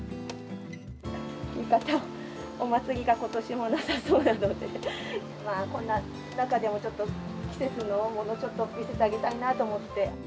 浴衣を、お祭りがことしもなさそうなので、こんな中でもちょっと季節のもの、ちょっと見せてあげたいなと思って。